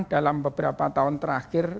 dalam beberapa tahun terakhir